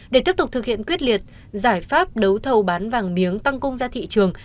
để tiếp tục thực hiện quyết liệt giải pháp đấu thầu bán vàng miếng tăng cung ra thị trường